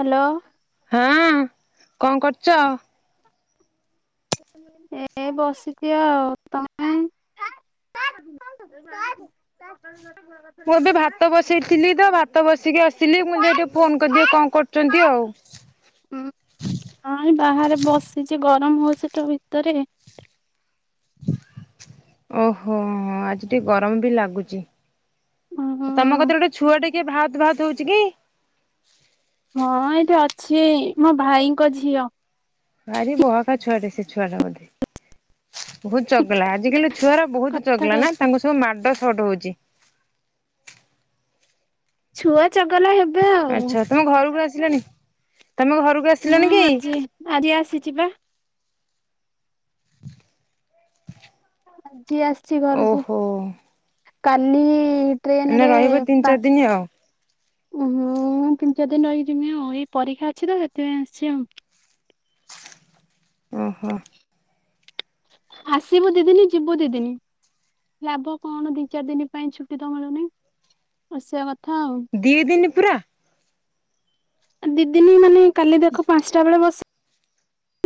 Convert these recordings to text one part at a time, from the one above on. Hello. ହଁ କଣ କରୁଛ। ଏ ବସିଛି ଆଉ। ତମେ? [inaudible] ମୁଁ ଏବେ ଭାତ ବସେଇଥିଲି ତ ଭାତ ବସିକି ଆସିଲି ମୁଁ ଯାଇ ଟିକେ ଫୋନ କରିଦି କଣ କରୁଛନ୍ତି ଆଉ। ଉଁ ହଁ ବାହାରେ ବସିଛି ଗରମ ହଉଛି ତ ଭିତରେ। ଓହୋ ଆଜି ଟିକେ ଗରମ ବି ଲାଗୁଛି। ହୁଁ ହୁଁ। ତମ କତିରେ ଗୋଟେ ଛୁଆ ଟେ କିଏ ଭାତ ଭାତ ହେଉଛି କି? ହଁ ଏଇଠି ଅଛି ମୋ ଭାଇଙ୍କ ଝିଅ। ଭାରି ବହକା ଛୁଆଟେ ସେ ଛୁଆଟା ବୋଧେ? ବହୁତ ଚଗଲା ଆଜିକାଲି ଛୁଆରା ବହୁତ କଥା ଚଗଲା ନା, କହୁଛି। ତାଙ୍କୁ ସବୁ ମାଡ ସଟ ହଉଛି। ଛୁଆ ଚଗଲା ହେବେ ଆଉ। ଆଚ୍ଛା ତମ ଘରକୁ ଆସିଲଣି, ତମ ଘରକୁ ଆ ହଁ ଆଜି ଆଜି ଆସିଛି ବା। ଆଜି ଆସିଛି ଘରକୁ, ଓହୋ କାଲି ଟ୍ରେନ ଏଇନା ରେ ରହିବ ତିନି ଚାରି ଦିନ ପାଞ୍ଚ ଆଉ ଓଁ ମୁଁ ତିନି ଚାରି ଦିନ ରହିିକି ଜିମି ଆଉ, ଏଇ ପରୀକ୍ଷା ଅଛି ତ ସେଥିପାଇଁ ଆସିଛି ଆଉ। ଓହୋ। ଆସିବୁ ଦି ଦିନି ଯିବୁ ଦିଦିନ। ଲାଭ କଣ ଦି ଚାରି ଦିନ ପାଇଁ ଛୁଟି ତ ମିଳୁନି, ଆସିବା କଥା ଆଉ। ଦି ଦିନ ପୁରା? ଦି ଦିନ ମାନେ କାଲି ଦେଖ ପାଞ୍ଚଟା ବେଳେ ବସ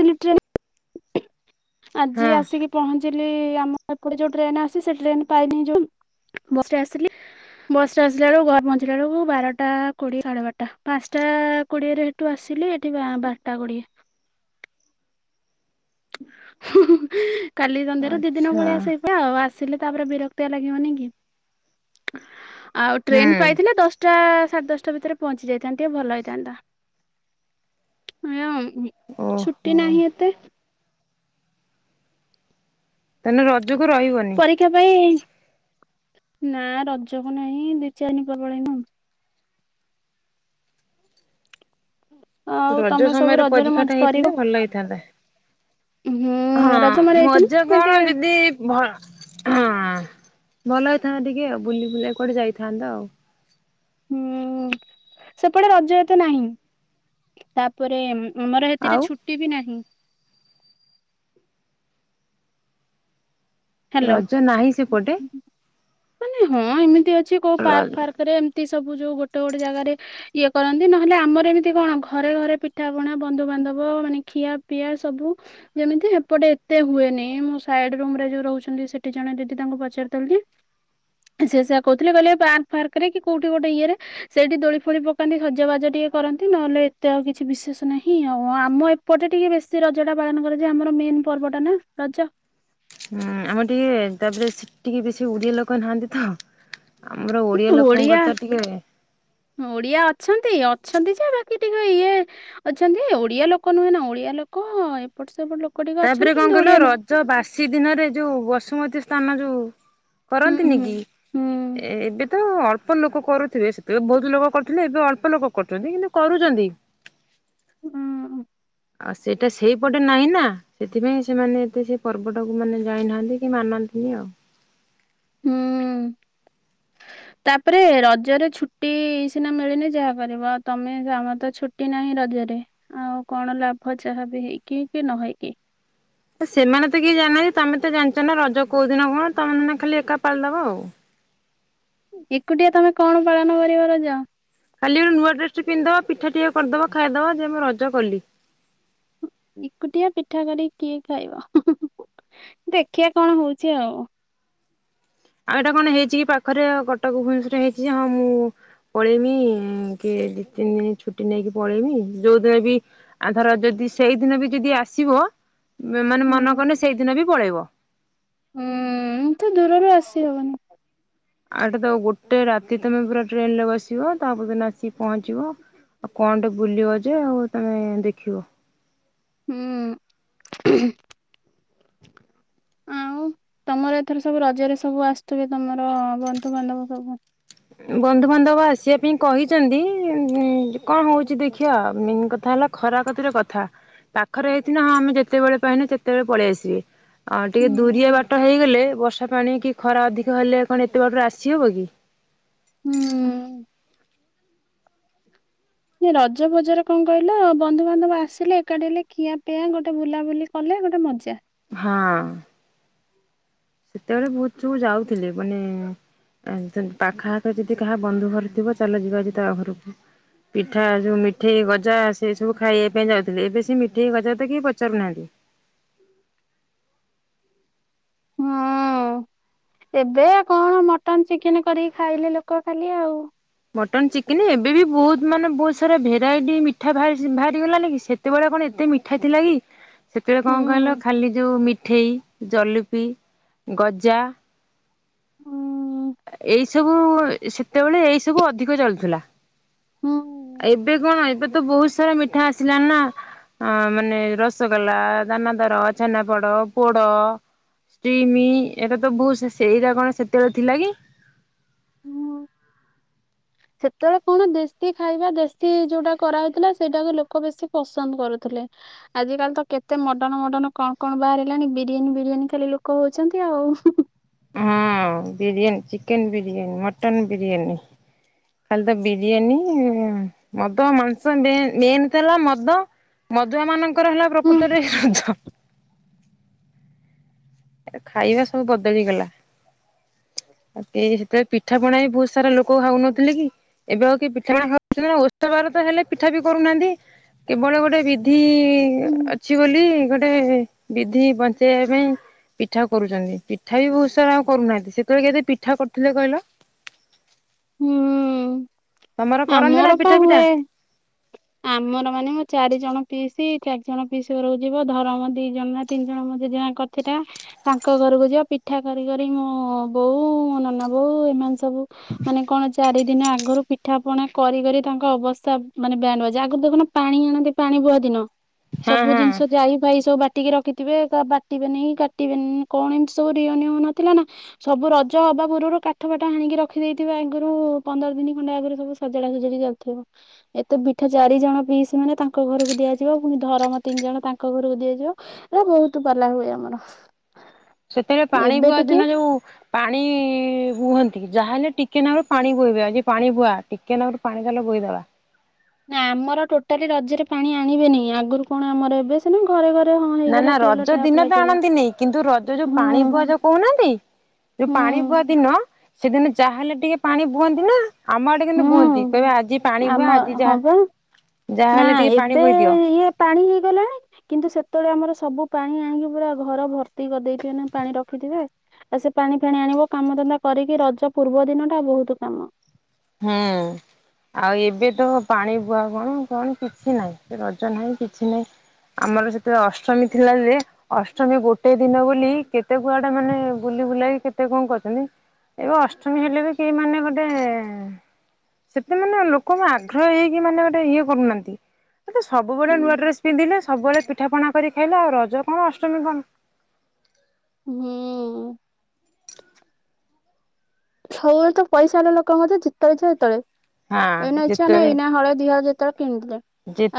ସିଲି ଟ୍ରେନ ରେ ଆଜି ହଁ ଆସିକି ପହଞ୍ଚିଲି ଆମ ଏପଟେ ଯୋଉ ଟ୍ରେନ ଆସି ସେ ଟ୍ରେନ ପାଇନି ଯୋଉ ବସ ରେ ଆସିଲି। ବସରେ ଆସିଲା ବେଳକୁ ଘରେ ପହଞ୍ଚିଲା ବେଳକୁ ବାରଟା କୋଡିଏ ସାଢେ ବାରଟା, ପାଞ୍ଚଟା କୋଡିଏରେ ରୁ ଆସିଲି ଏଠି ବା - ବାରଟା କୋଡ଼ିଏ। କାଲି ଦନ୍ଦରେ ଦି ଦିନ ଆଚ୍ଛା ଭଳିଆ ସେ ଆଉ ଆସିଲେ ତାପରେ ବିରକ୍ତିଆ ଲାଗିବନି କି, ଆଉ ଟ୍ରେନ ହୁଁ। ପାଇଥିଲେ ଦଶ ଟା ସାଢେ ଦଶଟା ଭିତରେ ପହଞ୍ଚି ଯାଇଥାନ୍ତି ଆଉ ଭଲ ହେଇଥାନ୍ତା, ଏୟା ଆଉ। ଓହୋ ଛୁଟି ନାହିଁ ଏତେ। ମାନେ ରଜକୁ ରହିବନି? ପରୀକ୍ଷା ପାଇଁ, ନା ରଜକୁ ନାହିଁ ଦି ଚାରି ଦିନ ପରେ ପଳେଇବି ଆଉ। ଆଉ ରଜ ତମେ ସବୁ ସମୟରେ ରଜରେ ପରୀକ୍ଷା ମଜ ଟା କରିବ ହେଇଥିଲେ ଭଲ ହେଇଥାନ୍ତା। ହୁଁ ହଁ ରଜ ମୋର ଯାଇଥିଲି ମଜା ସେଠି କଣ ଦିଦି ଭ ହଁ ଭଲ ହେଇଥାନ୍ତା ଟିକେ ଆଉ, ବୁଲି ବୁଲା କି କୁଆଡେ ଯାଇଥାନ୍ତ ଆଉ। ହୁଁ ସେପଟେ ରଜ ଏତେ ନାହିଁ, ତାପରେ ଆମର ସେଥିରେ ଆଉ ଛୁଟି ବି ନାହିଁ। ହ୍ୟାଲୋ। ରଜ ନାହିଁ ସେପଟେ? ମାନେ ହଁ ଏମିତି ଅଛି କୋଉ ର ପାର୍କ ହୁଁ ଫାର୍କ ରେ ଏମତି ସବୁ ଯୋଉ ଗୋଟେ ଗୋଟେ ଜାଗାରେ ଇଏ କରନ୍ତି ନହେଲେ ଆମର ଏମିତି କଣ ଘରେ ଘରେ ପିଠା ପଣା ବନ୍ଧୁବାନ୍ଧବ ମାନେ ଖିଆ ପିଆ ସବୁ ଯେମିତି ସେପଟେ ଏତେ ହୁଏନି, ମୁଁ ସାଇଡ ରୁମରେ ଯୋଉ ରହୁ ଛନ୍ତି ସେଠି ଜଣେ ଦିଦି ତାଙ୍କୁ ପଚାରୁଥିଲୁ କି ସେ ସୋଇଆ କହୁଥିଲେ, କହିଲେ ପାର୍କ ଫାର୍କରେ କି କୋଉଠି ଗୋଟେ ଇଏରେ ସେଇଠି ଦୋଳି ଫୋଳି ପକାନ୍ତି ସଜାବାଜ ଟିକେ କରନ୍ତି ନହେଲେ ଏତେ ଆଉ କିଛି ବିଶେଷ ନାହିଁ ଆଉ ଆମ ଏ ପଟେ ଟିକେ ବେଶୀ ରଜ ଟା ପାଳନ କରାଯାଏ ଆମର ମେନ ପର୍ବଟା ନା ରଜ। ହୁଁ ଆମର ଟିକେ ତାପରେ ସେ ଟିକେ ବେଶୀ ଓଡିଆ ଲୋକ ନାହାନ୍ତି ତ। ଆମର ଓଡିଆ ଲୋକଙ୍କ ତ ଟିକେ ଓଡିଆ ଅଛନ୍ତି, ଅଛନ୍ତି ଯେ ବାକି ଟିକେ ଇଏ ଅଛନ୍ତି ଓଡିଆ ଲୋକ ନୁହେଁ ନା, ଓଡିଆ ଲୋକ ଏପଟ ସେ ଏପଟ ଲୋକ ଟିକେ ତାପରେ ଅଛନ୍ତି କଣ କିନ୍ତୁ କହିଲ ଓଡିଆ ଲୋକ ରଜ ବାସି ଦିନରେ ଯୋଉ ବସୁମତୀ ସ୍ଥାନ ଯୋଉ ହୁଁ କରନ୍ତିନି ହୁଁ କି? ହୁଁ। ଏ-ଏବେ ତ ଅଳ୍ପ ଲୋକ କରୁଥିବେ ସେତେବେଳେ ବହୁତ ଲୋକ କରୁଥିଲେ ଏବେ ଅଳ୍ପ ଲୋକ କରୁଛନ୍ତି, କିନ୍ତୁ କରୁଛନ୍ତି। ହ [unintelligible] ହୁଁ। ଆଉ ସେଇଟା ସେଇପଟେ ନାହିଁ ନା। ସେଥିପାଇଁ ସେମାନେ ଏତେ ସେ ପର୍ବଟାକୁ ମାନେ ଜାଣିନାହାନ୍ତି କି ମାନନ୍ତିନି ଆଉ। ହୁଁ। ହ [unintelligible] ତାପରେ ରଜରେ ଛୁଟି ସିନା ମିଳିନେ ଯାହା କରିବୁ ଆଉ ତମେ ଯେ ଆମର ତ ଛୁଟି ନାହିଁ ରଜରେ। ଆଉ କଣ ଲାଭ ଯାହା ବି ହେଇକି କି ନ ହେଇକି। ସେମାନେ ତ କିଏ ଜାଣିନାନ୍ତି ତମେ ତ ଜାଣିଚ ନା ରଜ କୋଉ ଦିନ କଣ ତମେ ଖାଲି ଏକା ପାଳି ଦବ ଆଉ। ଏକୁଟିଆ ତମେ କଣ ପାଳନ କରିବାର ରଜ। ଖାଲି ଗୋଟେ ନୂଆଡ୍ରେସ୍ ଟେ ପିନ୍ଧିଦବ ପିଠା ଟିକେ କରଦବ ଖାଇଦବ ଯେ ମୁଁ ରଜ କଲି। ଏକୁଟିଆ ପିଠା କରି କିଏ ଖାଇବ ଦେଖିବା କଣ ହଉଚି ଆଉ। ଆଉ ଏଇଟା କଣ ହେଇଚି କି ପାଖରେ ଆ କଟକ ଭବନେଶ୍ଵରରେ ହେଇଚି ଯେ ହଁ ମୁଁ ପଳେଇମି କି ଦି ତିନି ଦିନ ଛୁଟି ନେଇକି ପଳେଇମି ଯୋଉ ଦିନ ବି ଆଉ ଧର ଯଦି ସେଇଦିନ ବି ଯଦି ଆସିବ ବେ ମାନେ ହୁଁ ମନକଲେ ସେଇଦିନ ବି ପଳେଇବ। ହୁଁ ତ ଦୂରରୁ ଆସି ହବନି। ଆଉ ଏଟାତ ଗୋଟେ ରାତି ତମେ ପୁରା ଟ୍ରେନରେ ବସିବ ତାପର ଦିନ ଆସିକି ପହଞ୍ଚିବ। ଆଉ କଣ ଟେ ବୁଲିବ ଯେ ଆଉ ତମେ ଦେଖିବ। ହୁଁ। ଆଉ ତମର ଏଥର ସବୁ ରଜରେ ସବୁ ଆସୁଥିବେ ତମର ବନ୍ଧୁବାନ୍ଧବ ସବୁ। ବନ୍ଧୁବାନ୍ଧବ ଆସିବା ପାଇଁ କହିଚନ୍ତି ଅଁ ଅଁ କଣ ହେଉଚି ଦେଖିବା ମେନ୍ କଥା ହେଲା ଖରାକତିର କଥା ପାଖରେ ହେଇଥିନେ ହଁ ଆମେ ଯେତେବେଳେ ପାଇନେ ସେତେବେଳେ ପଳେଇ ଆସିବେ। ଆଉ ଟିକେ ହୁଁ ଦୁରିଆ ବାଟ ହେଇଗଲେ ବର୍ଷା ପାଣି କି ଖରା ଅଧିକ ହେଲେ କଣ ଏତେ ବାଟରୁ ଆସି ହବ କି? ରଜ ବଜରେ କଣ କହିଲ ବନ୍ଧୁବାନ୍ଧବ ଆସିଲ ଏକାଠି ହେଲେ ଖିଆ ପିଆଁ ଗୋଟେ ବୁଲାବୁଲି କଲେ ଗୋଟେ ମଜା। ହଁ। ସେତେବେଳେ ବୋହୁତୁ ଯାଉଥିଲେ ମାନେ ପାଖା ଆଖରେ ଯଦି କାହା ବନ୍ଧୁ ଘର ଥିବ ଚାଲ ଯିବା ଆଜି ତା ଘରକୁ। ପିଠା ଯୋଉ ମିଠେଇ ଗଜା ସେ ସବୁ ଖାଇବା ପାଇଁ ଯାଉଥିଲେ ଏବେ ସେ ମିଠେଇ ଗଜା ତ କିଏ ପଚାରୁନାହାନ୍ତି। ହୁଁ। ଏବେ କଣ ମଟନ୍ ଚିକେନ କରିକି ଖାଇଲେ ଲୋକ ଖାଲି ଆଉ। ମଟନ୍ ଚିକେନ ଏବେ ବି ବହୁତ ମାନେ ବହୁତ ସାରା ଭେରାଇଟି ମିଠା ବାହା ବାହାରିଗଲାଣି କି ସେ କେତେବେଳେ କଣ ଏତେ ମିଠା ଥିଲା କି? ସେତେବେଳେ ହୁଁ। କଣ କହିଲ ଖାଲି ଯୋଉ ମିଠେଇ ଜଲପି ଗଜା ହୁଁ। ଏଇ ସବୁ ସେତେବେଳେ ଏଇ ସବୁ ଅଧିକ ଚଲୁଥିଲା। ହୁଁ ଏବେ କଣ ଏବେ ତ ବହୁତ ସାରା ମିଠା ଆସିଲା ନା ଅ ମାନେ ରସଗୋଲା ଦାନାଦର ଛେନାପୋଡ ପୋଡ ଷ୍ଟିମି ଏରା ତ ବହୁତ ସେ ସେଇରା କଣ ସେତେବେଳେ ଥିଲା କି? ହୁଁ। ହ ସେତେବେଳେ କଣ ଦେଶୀ ଖାଇବା ଦେଶୀ ଯୋଉଟା କରାହଉଥିଲା ସେଇଟାକୁ ଲୋକ ବେଶୀ ପସନ୍ଦ କରୁଥିଲେ। ଆଜିକାଲି ତ କେତେ ମଡର୍ଣ ମଡର୍ଣ କଣ କଣ ବାହାର ହେଲାଣି ବିରିୟାନୀ ବିରିୟାନୀ ଖାଲି ଲୋକ ହଉଚନ୍ତି ଆଉ। ହଁ ବିରିୟାନୀ ଚିକେନ ବିରିୟାନୀ ମଟନ୍ ବିରିୟାନୀ। ଖାଲି ତ ବିରିୟାନୀ ମଦ ମାଂସ ଦେ ମେନ୍ ତ ହେଲା ମଦ ମଦୁଆ ମାନଙ୍କର ହେଲା ପ୍ରକୃତରେ ଏହି ରଜ। ଆ ଖାଇବା ସବୁ ବଦଳିଗଲା ଆଉ ସେତେବେ ପିଠା ପଣା ବି ବହୁତ ସାରା ଲୋକ ଖାଉନଥିଲେ କି? ଏବେ ଆଉ କି ପିଠାପଣା ଖାଉଛନ୍ତି ନା ଓଷାବାର ତ ହେଲେ ପିଠା ବି କରୁନାହାନ୍ତି କେବଳ ଗୋଟେ ବିଧି ହୁଁ। ଅଛି ବୋଲି ଗୋଟେ ବିଧି ବଞ୍ଚେଇବା ପାଇଁ ପିଠା କରୁଚନ୍ତି ପିଠା ବି ବହୁତ ସାରା ଆଉ କରୁନାହାନ୍ତି ସେତେବେଳେ କେତେ ପିଠା କରୁଥିଲେ କହିଲ? ତମର ହୁଁ କରନ୍ତି ନା ଆମର ପା ପିଠା ପିଠା ହୁଏ ଆମର ମାନେ ମୋ ଚାରି ଜଣ ପିଇସି ଚାରି ଜଣ ପିସ ଘରୁ ଯିବ ଧରମ ଦି ଜଣ ନା ତିନି ଜଣ ମୋ ଜେଜେମା କର ସେଟା ତାଙ୍କ ଘରକୁ ଯିବ ପିଠା କରି କରି ମୋ ବୋଉ ମୋ ନନା ବୋଉ ଏମାନେ ସବୁ ମାନେ କଣ ଚାରି ଦିନ ଆଗରୁ ପିଠା ପଣା କରି କରି ତାଙ୍କ ଅବସ୍ଥା ମାନେ ବ୍ୟା ଜାଗ ଦେଖନ ପାଣି ଆଣନ୍ତି ପାଣି ବହ ଦିନ ହଁ ସବୁ ହଁ ଜିନିଷ ଯାଇ ଫାଇ ସବୁ ବା ଟିକେ ରଖିଥିବେ ବାଟିବେନି କାଟିବେନି କଣ ଏମିତି ସବୁ ରିଅନ ନଥିଲା ନା। ସବୁ ରଜ ହବା ପୂର୍ବରୁ କାଠ ପାଠ ହାଣିକି ରଖିଦେଇଥଥିବା ଆଗରୁ ପନ୍ଦର ଦିନ ଖଣ୍ଡେ ଆଗରୁ ସବୁ ଖଜଡା ଖଜଡି ଯାଉଥିବ। ଏତେ ପି ଏଠ ଚାରି ଜଣ ପିଇସି ମାନେ ତାଙ୍କ ଘରକୁ ଦିଆଯିବ। ପୁଣି ଧରମ ତିନି ଜଣ ତାଙ୍କ ଘରକୁ ଦିଆଯିବ। ଏ ବହୁତ ପାଲା ହୁଏ ଆମର। ସେଥିବେ ପାଣି ଏବେ ପୁଆ ଟିକେ ଦିନ ଯୋଉ ପାଣି ବୁହନ୍ତି ଯାହାହଲେ ଟିକେ ନଁରୁ ପାଣି ବୋହବେ ଯ ପାଣି ବୁହା ଟିକେ ନଁରୁ ପାଣି ତାଲେ ବୋହିଦବା। ନା ଆମର ଟୋଟାଲି ରଜରେ ପାଣି ଆଣିବେନି ଆଗରୁ କଣ ଆମର ଏବେ ସିନା ଘରେ ଘରେ ହଁ ନା ହେଇଗଲା ନା ଟିଅଲ ରଜ ଟ୍ୟାପ ଦିନ ତ ଲାଗିଗଲା ଆଣନ୍ତି ନାାଇଁ କିନ୍ତୁ ରଜ ଯୋଉ ହୁଁ ପାଣି ପୁଆ ଯାଉ କହୁନାହାନ୍ତି। ଯୋଉ ହୁଁ ପାଣି ପୁଆ ଦିନ ସେଦିନ ଯାହା ହେଲେ ଟିକେ ପାଣି ବୁହନ୍ତି ନା। ଆମ ଆଡେ କିନ୍ତୁ ବୁହନ୍ତି ହୁଁ। କହିବାେ ଆଜି ପାଣି ଆମ ହୁଆ ଆଜି ହଁ ବା ଯାହା ନା ଯାହାହଲେ ଟିକେ ପାଣି ଏବେ ବୋହି ଦିଅ। ଇଏ ପାଣି ହେଇଗଲାଣି? କିନ୍ତୁ ସେତେବେଳେ ଆମର ସବୁ ପାଣି ଆଣିକି ପୁରା ଘର ଭର୍ତ୍ତି କରିଦେଇଥିବ ନା ପାଣି ରଖିଥିବେ। ଆ ସେ ପାଣି ଫାଣି ଆଣିବ କାମଧନ୍ଦା କରିକି ରଜ ପୂର୍ବ ଦିନ ଟା ବହୁତ କାମ। ହୁଁ। ଆଉ ଏବେ ତ ପାଣି ବୁହା କଣ କଣ କିଛି ନାହିଁ ରଜ ନାହିଁ କିଛି ନାହିଁ। ଆମର ସେତେବେଳେ ଅଷ୍ଟମୀ ଥିଲା ଯେ ଅଷ୍ଟମୀ ଗୋଟେ ଦିନ ବୋଲି କେତେ କୁଆଡେ ମାନେ ବୁଲି ବୁଲାଇକି କେତେ କଣ କରୁଛନ୍ତି। ଏବେ ଅଷ୍ଟମୀ ହେଲେ ବି କି ମାନେ ଗୋଟେ ସେତେ ମାନେ ଲୋକଙ୍କ ଆଗ୍ରହ ହେଇକି ମାନେ ଗୋଟେ ଇଏ କରୁନାହାନ୍ତି। ଏ ତ ସବୁବେଳେ ହୁଁ ନୂଆ ଡ୍ରେସ ପିନ୍ଧିଲେ ସବୁବେଳେ ପିଠାପଣା କରି ଖାଇଲେ ଆଉ ରଜ କଣ ଅଷ୍ଟମୀ କଣ? ହୁଁ। ସବୁବେଳେ ତ ପଇସାର ଲୋକ ମତ ଜେତେଳେ ଇଛା ସେତଳେ। ହଁ ଏଇନା ଇଛା ହେଲେ ଯେତେବେଳେ ଏଇନା ହଳେଦିହଳ ଯେତେବେଳେ କିଣିଲେ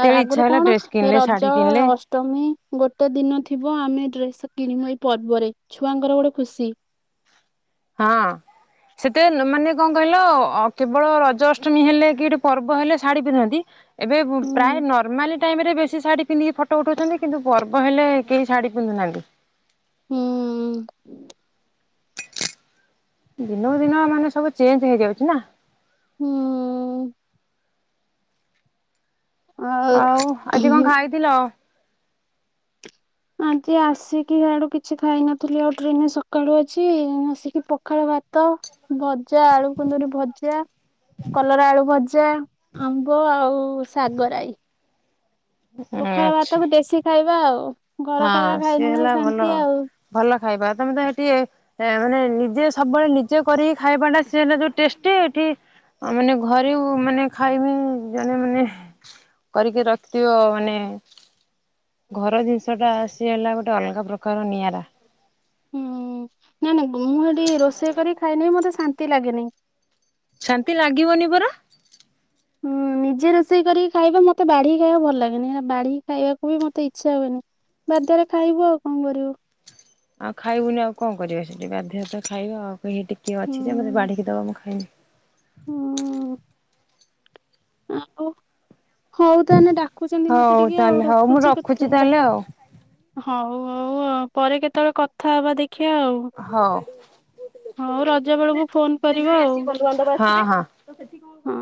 ଆ ଇଚ୍ଛା ଆଗରୁ ହେଲା କଣ ଡ୍ରେସ ଏ କିଣିଲେ ଶାଢୀ ରଜ କିଣିଲେ ଅ ଅଷ୍ଟମୀ ଗୋଟେ ଦିନ ଥିବ ଆମେ ଡ୍ରେସ କିଣିବୁ ଏଇ ପର୍ବରେ ଛୁଆଙ୍କର ଗୋଟେ ଖୁସି। ହଁ। ସେତେ ମାନେ କଣ କହିଲ କେବଳ ରଜ ଅଷ୍ଟମୀ ହେଲେ କି ପର୍ବ ହେଲେ ଶାଢୀ ପିନ୍ଧନ୍ତି। ଏବେ ପ୍ରାୟ ହୁଁ। ନର୍ମାଲି ଟାଇମ ରେ ବେଶୀ ଶାଢ଼ୀ ପିନ୍ଧିକି ଫ ଟ ଉଠଉଛନ୍ତି କିନ୍ତୁ ପର୍ବ ହେଲେ କେହି ଶାଢ଼ୀ ପିନ୍ଧୁନାହାନ୍ତି। ହୁଁ। ଦିନକୁ ଦିନ ମାନେ ସବୁ ଚେଞ୍ଜ ହେଇଯାଉଚି ନା। ହଁ। ଆଉ ଆଜି କଣ ଖାଇଥିଲ? ହ [unintelligible] ଆଜି ଆସିକି ହିଆଡୁ କିଛି ଖାଇନଥିଲି ଆଉ ଟ୍ରେନ ସକାଳୁ ଅଛି ଆସିକି ପଖାଳ ଭା ତ ଭଜା ଆଳୁ କୁନ୍ଦରି ଭଜା କଲରା ଆଳୁ ଭଜା ଆମ୍ବ ଆଉ ଶାଗରାଇ। ପଖାଳ ଆଚ୍ଛା ଭାତକୁ ଦେଶୀ ଖାଇବା ଆଉ ଘର ଖାଇବା ହଁ ସିଏ ଖାଇନବା ହେଲା ଭଲ ଶାନ୍ତି ଆଉ। ଭଲ ଖାଇବା ତମେ ତ ଏଠି ସେୟା ମାନେ ନିଜେ ସବୁବେଳେ ନିଜେ କରିକି ଖାଇବା ସେଇଟା ଯଉ ଟେଷ୍ଟି ଏଠି ଆଉ ମାନେ ଘରେ ମାନେ ଖାଇବି ଜଣେ ମାନେ କରିକି ରଖିଥିବ ମାନେ ଘର ଜିନିଷ ଟା ସିଏ ହେଲା ଗୋଟେ ଅଲଗା ପ୍ରକାର ନିଆରା। ହୁଁ ନାଇଁ ନାଇଁ ମୁଁ ହେଠି ରୋଷେଇ କରି ଖାଇଲେ ବି ମତେ ଶାନ୍ତି ଲାଗେନି। ଶାନ୍ତି ଲାଗିବନି ପରା। ହୁଁ [unintelligible] ନିଜେ ରୋଷେଇ କରିକି ଖାଇବା ମତେ ବାଢିକି ଖାଇବା ଭଲ ଲାଗେନି ବାଢିକି ଖାଇବାକୁ ବି ମତେ ଇଚ୍ଛା ହୁଏନି। ବାଧ୍ୟରେ ଖାଇବୁ ଆଉ କଣ କରିବୁ? ଆଉ ଖାଇବୁନି ଆଉ କଣ କରିବେ ସେଇଠି ବାଧ୍ୟରେ ତ ଖାଇବା ଆଉ ସେଠି କିଏ ହୁଁ ଅଛି ଯେ ମତେ ବାଢ଼ିକି ଦବ ମୁଁ ଖାଇବି। ହଁ। ଆଉ ହଉ ତାହେଲେ ଡାକୁଚନ୍ତି ମତେ ହଉ ଟିକେ ତାହେଲେ ଆଉ ହଉ ମୁଁ ରଖୁଚି ରଖୁଛି କେତେ ତାହେଲେ ଆଉ ହଉ ହଉ ଆଉ ପରେ କେତେବେଳେ କଥା ହବା ଦେଖିଆ ଆଉ ହଉ। ହଉ ରଜ ବେଳକୁ ଫୋନ କରିବ ଆଉ ତ ସେଠି କ ହୁଁ।